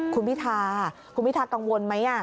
คุณพิธาคุณพิทากังวลไหม